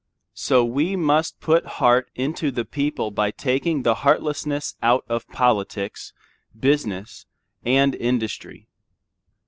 So we must put heart into the people by taking the heartlessness out of politics, business, and industry.